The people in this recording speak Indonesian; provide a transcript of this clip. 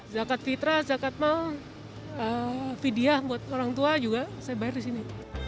zakat fitrah zakat mah vidiah buat orang tua juga saya bayar di sini